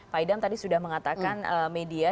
pak idam tadi sudah mengatakan media